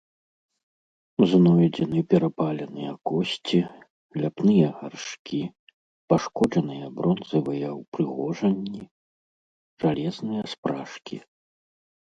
Знойдзены перапаленыя косці, ляпныя гаршкі, пашкоджаныя бронзавыя ўпрыгожанні, жалезныя спражкі.